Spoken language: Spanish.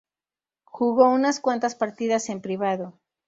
Jugó unas cuantas partidas en privado.